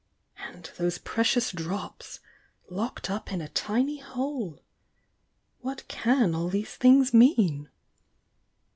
— and those precious drops, locked up in a tmy hole!— what can all these things mean?